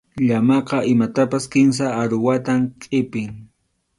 Llamaqa imatapas kimsa aruwata qʼipin.